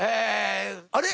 あれ？